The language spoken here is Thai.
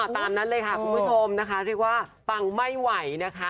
ตามนั้นเลยค่ะคุณผู้ชมนะคะเรียกว่าปังไม่ไหวนะคะ